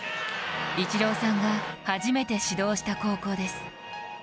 イチローさんが初めて指導した高校です。